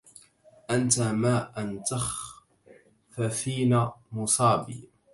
انت ما ان تخففين مصابي